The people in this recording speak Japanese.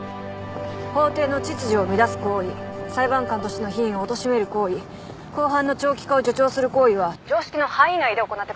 法廷の秩序を乱す行為裁判官としての品位をおとしめる行為公判の長期化を助長する行為は常識の範囲内で行ってください。